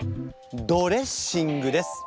ドレッシングです。